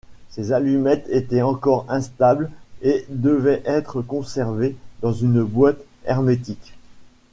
Ces allumettes étaient encore instables et devaient être conservées dans une boîte hermétique.